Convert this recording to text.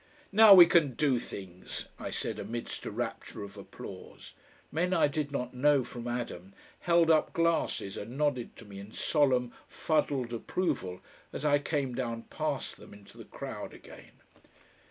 "Now we can DO things!" I said amidst a rapture of applause. Men I did not know from Adam held up glasses and nodded to me in solemn fuddled approval as I came down past them into the crowd again.